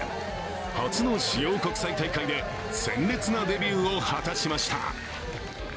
初の主要国際大会で鮮烈なデビューを果たしました。